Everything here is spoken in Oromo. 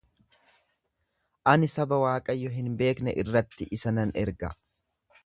Ani saba Waaqayyo hin beekne irratti isa nan erga.